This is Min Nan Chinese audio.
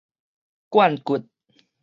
顴骨